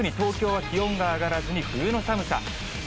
特に東京は気温が上がらずに冬の寒さ。